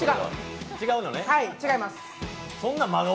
違います。